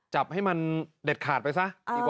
จับให้มันเด็ดขาดไปซะ